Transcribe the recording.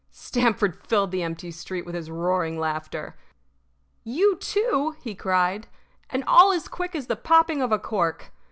Stamford filled the empty street with his roaring laughter. "You too!" he cried. "And all as quick as the popping of a cork.